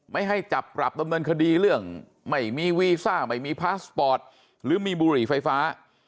ไม่ให้จับปรับดำเนินคดีเรื่องไม่มีวีซ่าไม่มีพาสปอร์ตหรือมีบุหรี่ไฟฟ้า